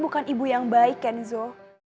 bukan ibu yang baik kenzo